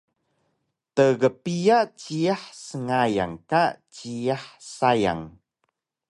Tgpiya jiyax sngayan ka jiyax sayang?